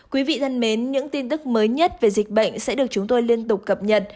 quý vị thân mến những tin tức mới nhất về dịch bệnh sẽ được chúng tôi liên tục cập nhật